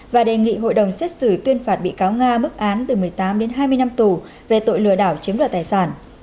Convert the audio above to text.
và đề nghị hội đồng xét xử tuyên phạt bị cáo nga bức án từ một mươi tám đến hai mươi năm tù về tội lừa đảo chiếm đoạt tài sản